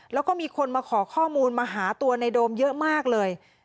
แล้วก็มีคนมาขอข้อมูลมาหาตัวในโดมเยอะมากเลย